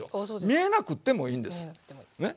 見えなくってもいいんですね。